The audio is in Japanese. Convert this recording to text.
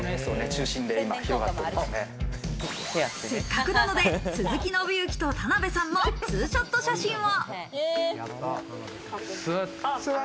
せっかくなので鈴木伸之と田辺さんもツーショット写真を。